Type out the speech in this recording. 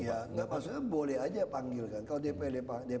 ya gak maksudnya boleh aja panggil kan